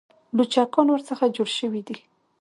لوچکان ورڅخه جوړ شوي دي.